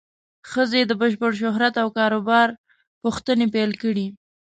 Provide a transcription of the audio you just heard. ښځې د بشپړ شهرت او کار و بار پوښتنې پیل کړې.